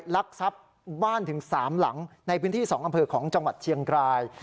ลักทรัพย์บ้านถึง๓หลังในพื้นที่๒อำเภอของจังหวัดเชียงราย